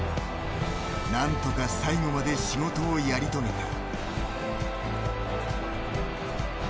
何とか最後まで仕事をやり遂げた。